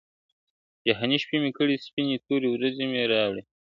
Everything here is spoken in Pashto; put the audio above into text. جهاني شپې مي کړې سپیني توري ورځي مي راوړي !.